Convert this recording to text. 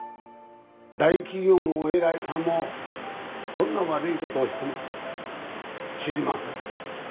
大企業のお偉いさんもどんな悪い事をしても「知りません」